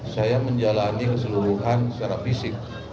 saya menjalani keseluruhan secara fisik